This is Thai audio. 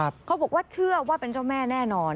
เขาบอกว่าเชื่อว่าเป็นเจ้าแม่แน่นอน